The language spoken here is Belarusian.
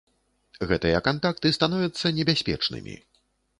Гэтыя кантакты становяцца небяспечнымі.